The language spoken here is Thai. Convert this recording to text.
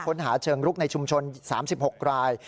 ค้นหาเชิงรุกในชุมชน๓๖ราย